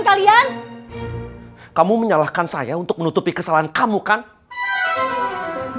kalian kamu menyalahkan saya untuk menutupi kesalahan kamu kan salah saya kenapa apa kesalahan